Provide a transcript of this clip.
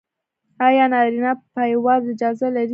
ایا نارینه پایواز اجازه لري؟